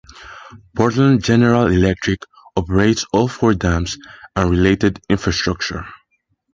Portland General Electric operates all four dams and related infrastructure.